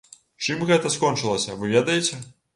Чым гэта скончылася, вы ведаеце.